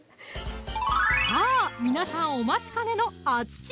さぁ皆さんお待ちかねの「アチチ！」